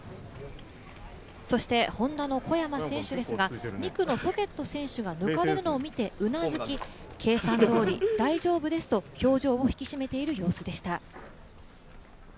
そしてＨｏｎｄａの小山選手ですが、２区のソゲット選手が抜かれるのを見てうなずき、計算通り大丈夫ですと表情を引き締めている様子でした。